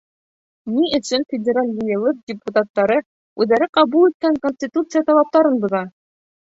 Ни өсөн Федераль Йыйылыш депутаттары үҙҙәре ҡабул иткән конституция талаптарын боҙа?